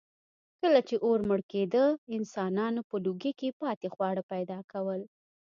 کله چې اور مړ کېده، انسانانو په لوګي کې پاتې خواړه پیدا کول.